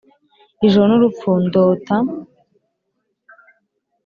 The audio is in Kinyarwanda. ijoro n'urupfu ndota;